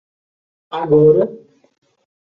Agora